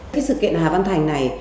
cái sự kiện hà văn thành này